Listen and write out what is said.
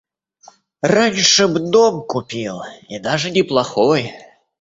Раньше б дом купил — и даже неплохой.